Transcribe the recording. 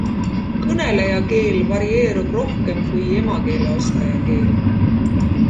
Kõneleja keel varieerub rohkem kui emakeeleoskaja keel.